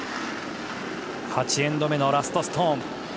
８エンド目のラストストーン。